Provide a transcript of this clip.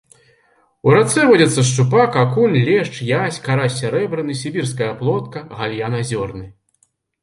У рацэ водзяцца шчупак, акунь, лешч, язь, карась сярэбраны, сібірская плотка, гальян азёрны.